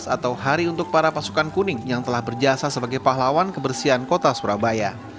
atau hari untuk para pasukan kuning yang telah berjasa sebagai pahlawan kebersihan kota surabaya